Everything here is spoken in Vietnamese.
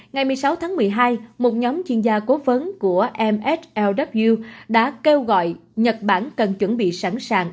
ngày một mươi sáu tháng một mươi hai một nhóm chuyên gia cố vấn của mslw đã kêu gọi nhật bản cần chuẩn bị sẵn sàng